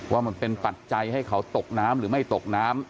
ว่ามันเป็นปัจจัยให้เขาตกน้ำหรือไม่ตกน้ำ